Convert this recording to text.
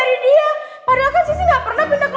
padahal kan sisi nggak pernah pindah ke lain hati